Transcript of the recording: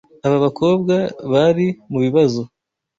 Aba bakobwa bari mubibazo.